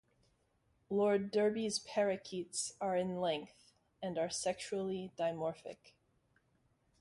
Lord Derby's parakeets are in length and are sexually dimorphic.